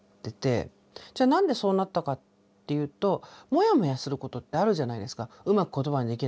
じゃあ何でそうなったかっていうとモヤモヤすることってあるじゃないですか。